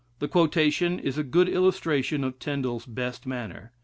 The quotation is a good illustration of Tindal's best manner.